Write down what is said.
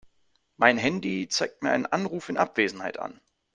Mein Handy zeigt mir einen Anruf in Abwesenheit an.